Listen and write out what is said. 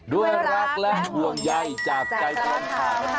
ด้วยรักและห่วงใยจากใจต้องการครับ